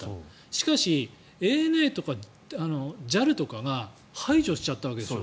しかし、ＡＮＡとかＪＡＬとかが排除しちゃったわけでしょ。